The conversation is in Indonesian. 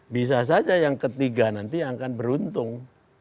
bisa saja yang ketiga nanti yang akan beruntung